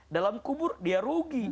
dalam kubur dia rugi